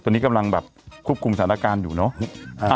ตอนนี้กำลังแบบควบคุมสถานการณ์อยู่เนอะ